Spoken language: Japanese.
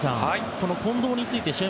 この近藤について試合